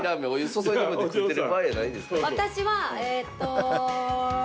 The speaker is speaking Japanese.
私はえっと。